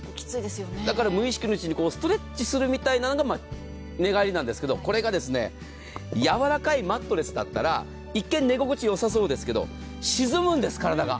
だから無意識のうちにストレッチするみたいなのが寝返りなんですけれども、これがやわらかいマットレスだったら、一見寝心地よさそうなんですけど、沈むんです、体が。